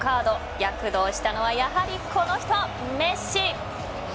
躍動したのはやはりこの人、メッシ。